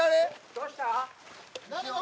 どうした？